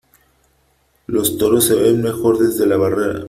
Los toros se ven mejor desde la barrera.